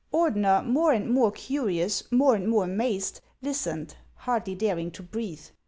Ordener, more and more curious, more and more amazed, listened, hardly daring to breathe.